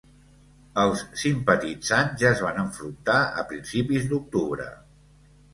Els simpatitzants ja es van enfrontar a principis d'octubre.